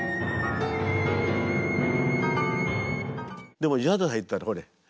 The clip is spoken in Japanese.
でもジャズ入ったらほれ